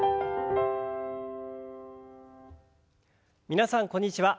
皆さんこんにちは。